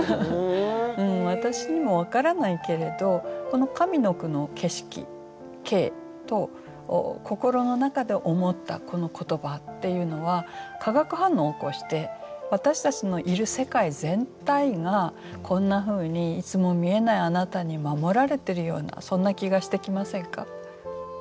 私にも分からないけれどこの上の句の景色「景」と心の中で思ったこの言葉っていうのは化学反応を起こして私たちのいる世界全体がこんなふうに「いつも見えないあなた」に守られてるようなそんな気がしてきませんか？